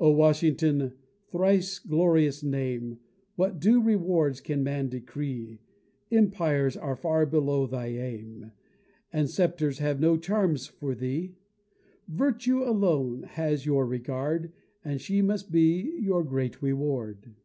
O WASHINGTON! thrice glorious name, What due rewards can man decree Empires are far below thy aim, And sceptres have no charms for thee; Virtue alone has your regard, And she must be your great reward.